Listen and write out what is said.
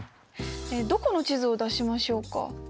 どこの地図を出しましょうか。